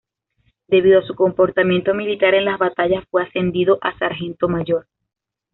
Debido a su comportamiento militar en las batallas fue ascendido a sargento mayor.